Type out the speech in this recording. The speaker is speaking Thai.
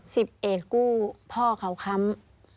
สิบเอกกู้พ่อเขาค้ำ